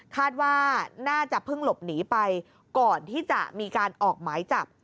คาดว่าน่าจะเพิ่งหลบหนีไปก่อนที่จะมีการออกหมายจับ